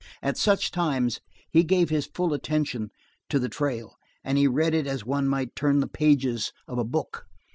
At such times he gave his full attention to the trail, and he read it as one might turn the pages of a book.